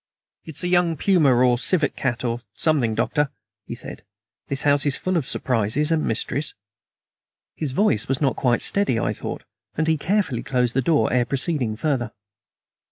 "It's a young puma, or a civet cat, or something, Doctor," he said. "This house is full of surprises and mysteries." His voice was not quite steady, I thought, and he carefully closed the door ere proceeding further.